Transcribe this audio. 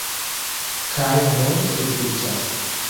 Kaj nun sufiĉas.